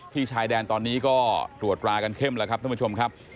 ชายแดนตอนนี้ก็ตรวจรากันเข้มแล้วครับท่านผู้ชมครับ